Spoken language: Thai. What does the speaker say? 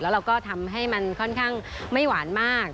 เราก็ทำให้มันค่อนข้างไม่หวานมาก